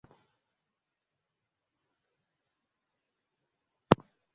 akijigamba kuleta mapinduzi kwenye sekta hiyo